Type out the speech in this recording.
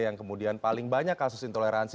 yang kemudian paling banyak kasus intoleransi